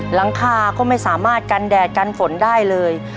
หลังคาก็ไม่สามารถกันแดดกันฝนได้เลย